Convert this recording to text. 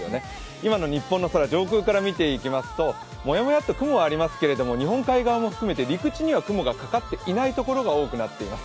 今の日本の空、上空から見ていきますともやもやっと雲がありますけれども日本海側も含めて陸地には雲がかかっていないところが多くなっています。